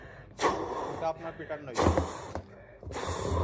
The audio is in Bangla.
কিন্তু আপনার পিটার নই।